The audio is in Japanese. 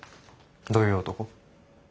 どういう男？